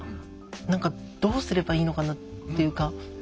何かどうすればいいのかなっていうか。